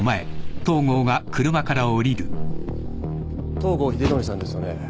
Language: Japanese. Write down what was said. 東郷英憲さんですよね？